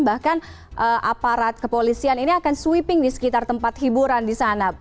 bahkan aparat kepolisian ini akan sweeping di sekitar tempat hiburan di sana